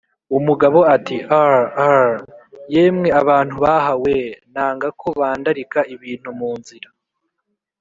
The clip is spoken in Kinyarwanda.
Umugabo ati uhr uhr, yemwe abantu baha we, nanga ko bandarika ibintu mu nzira